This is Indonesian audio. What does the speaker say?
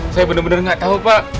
saya bener bener gak tau pak